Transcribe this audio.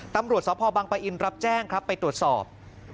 ตำรวจสพบังปะอินรับแจ้งครับไปตรวจสอบ